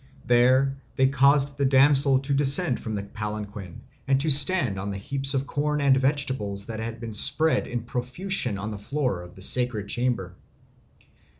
There they caused the damsel to descend from the palanquin and to stand on the heaps of corn and vegetables that had been spread in profusion on the floor of the sacred chamber.